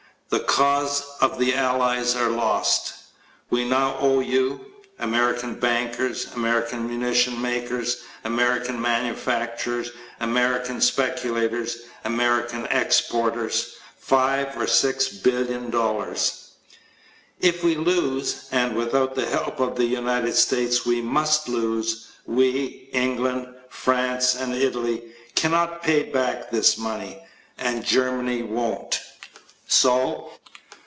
The cause of the allies is lost. We now owe you (American bankers, American munitions makers, American manufacturers, American speculators, American exporters) five or six billion dollars. If we lose (and without the help of the United States we must lose) we, England, France and Italy, cannot pay back this money ... and Germany won't. So